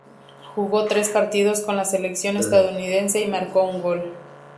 Jugó tres partidos con la selección estadounidense y marcó un gol.